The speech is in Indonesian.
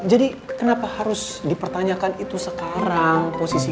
jadi kenapa harus dipertanyakan itu sekarang